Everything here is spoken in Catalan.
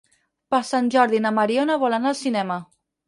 Per Sant Jordi na Mariona vol anar al cinema.